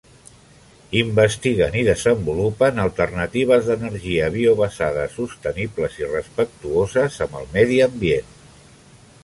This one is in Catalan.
Investiguen i desenvolupen alternatives d'energia biobasada sostenibles i respectuoses amb el medi ambient.